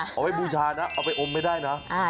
เอาไว้บูชานะเอาไปอมไม่ได้นะ